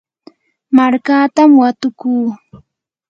markatam watukuu.